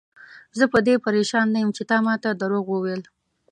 زه په دې پریشان نه یم چې تا ماته دروغ وویل.